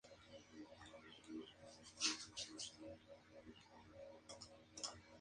Por encima de ellas, otra hilera de hornacinas pequeñas rodea la torre.